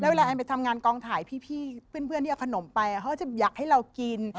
เวลาแอนไปทำงานกองถ่ายพี่เพื่อนที่เอาขนมไปเขาก็จะอยากให้เรากิน